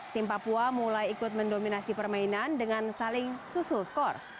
tim papua mulai ikut mendominasi permainan dengan saling susul skor